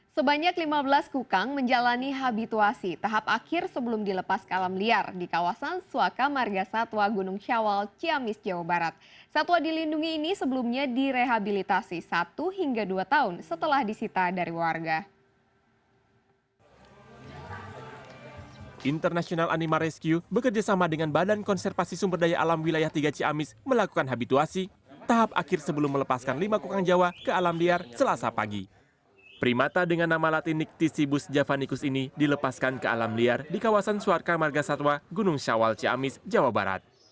sebanyak lima belas kukang menjalani habituasi tahap akhir sebelum dilepas ke alam liar di kawasan suwaka marga satwa gunung syawal ciamis jawa barat